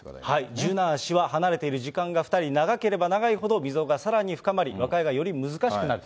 ジュナー氏は離れている時間、２人が長ければ長いほど溝が深くなり、和解はより難しくなると。